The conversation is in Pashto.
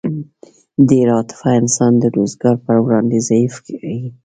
ډېره عاطفه انسان د روزګار په وړاندې ضعیف کوي